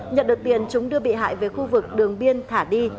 nhận được tiền chúng đưa bị hại về khu vực đường biên thả đi